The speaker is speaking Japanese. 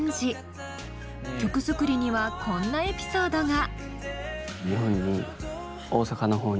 曲作りにはこんなエピソードが。